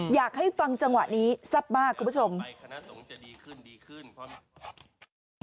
อยากให้ฟังจังหวะนี้ทรัพมากคุณผู้ชม